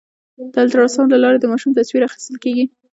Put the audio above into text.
د الټراساونډ له لارې د ماشوم تصویر اخیستل کېږي.